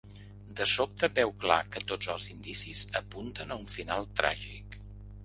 De sobte veu clar que tots els indicis apunten a un final tràgic.